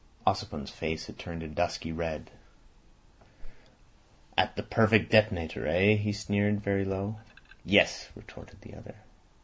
Ossipon's face had turned dusky red. "At the perfect detonator—eh?" he sneered, very low. "Yes," retorted the other.